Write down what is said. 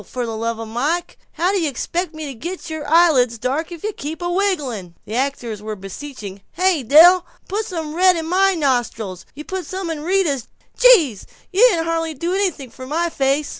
For the love o' Mike, how do you expect me to get your eyelids dark if you keep a wigglin'?" The actors were beseeching, "Hey, Del, put some red in my nostrils you put some in Rita's gee, you didn't hardly do anything to my face."